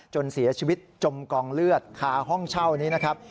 จนเสียชีวิตจมกองเลือดคาห้องเช่านี้นะครับ